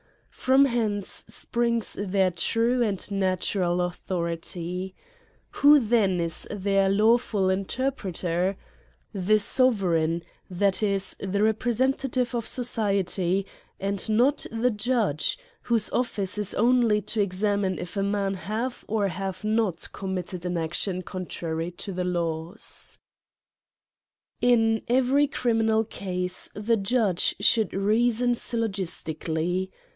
From hence springs their true and natural authority. Who then is their lawful interpreter? The sovereign, that is, the representative of society, and not the judge, whose office is only to examine if a man have or have not committed an action contrat v to the laws. CRIMES AND PUNISHMENTS. 23 In every criminal cause the judge should reason syllogistically.